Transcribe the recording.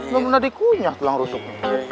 gak pernah dikunyah tulang rusuk